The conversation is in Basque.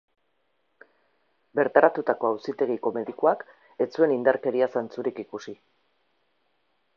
Bertaratutako auzitegiko medikuak ez zuen indarkeria zantzurik ikusi.